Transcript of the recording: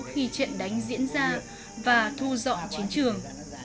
khi trận đánh diễn ra và thu dọn chiến trường